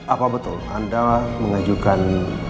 apa betul anda mengajukan